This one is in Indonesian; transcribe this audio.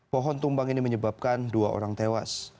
pohon tumbang ini menyebabkan dua orang tewas